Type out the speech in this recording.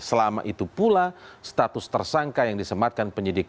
selama itu pula status tersangka yang disematkan penyidik